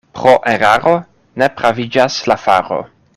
Pro eraro ne praviĝas la faro.